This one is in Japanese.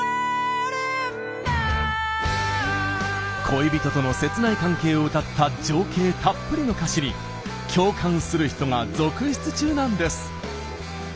恋人との切ない関係を歌った情景たっぷりの歌詞に共感する人が続出中なんです。